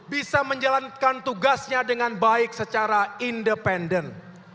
bisa menjalankan tugasnya dengan baik secara independen